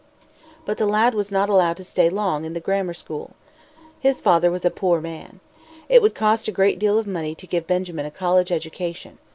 But the lad was not allowed to stay long in the grammar school. His father was a poor man. It would cost a great deal of money to give Benjamin a college education.